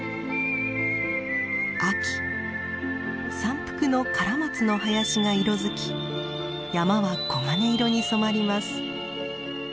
秋山腹のカラマツの林が色づき山は黄金色に染まります。